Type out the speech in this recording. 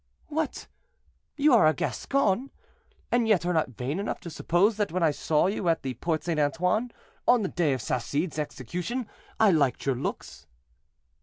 "What, you are a Gascon! and yet are not vain enough to suppose that when I saw you at the Porte St. Antoine, on the day of Salcede's execution, I liked your looks."